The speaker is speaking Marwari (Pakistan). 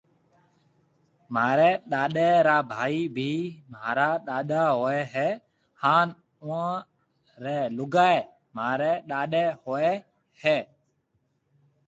مهاريَ ڏاڏيَ رآ ڀائِي ڀِي مهارا ڏاڏا هوئيَ هيَ هانَ اُئان ريَ لُگائيَ مهاريَ ڏاڏيَ هوئيَ هيَ۔